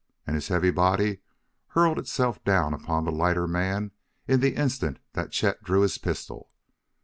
And his heavy body hurled itself down upon the lighter man in the instant that Chet drew his pistol.